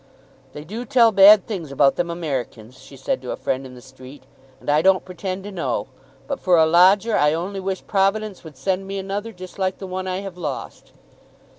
"They do tell bad things about them Americans," she said to a friend in the street, "and I don't pretend to know. But for a lodger, I only wish Providence would send me another just like the one I have lost.